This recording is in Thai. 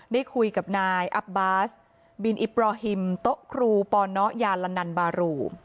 ได้คุยกับนายอับบาสบินอิปรอฮิมโต๊ะครูปนยาลานันบารู